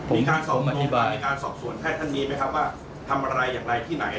มีการสอบส่วนแพทย์ท่านมีไหมครับว่าทำอะไรอย่างไรที่ไหน